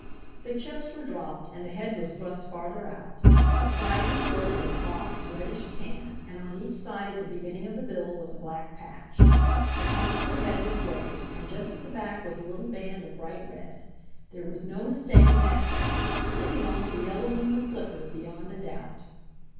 The chips were dropped and the head was thrust farther out. The sides and throat were a soft reddish tan and on each side at the beginning of the bill was a black patch. The top of the head was gray and just at the back was a little band of bright red. There was no mistaking that head. It belonged to Yellow Wing the Flicker beyond a doubt.